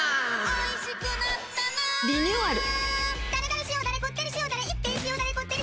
おいしくなったなリニューアル。